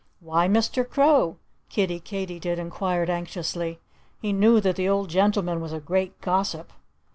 "Why Mr. Crow?" Kiddie Katydid inquired anxiously. He knew that the old gentleman was a great gossip.